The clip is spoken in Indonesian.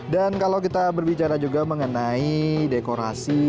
dan kalau kita berbicara juga mengenai dekorasi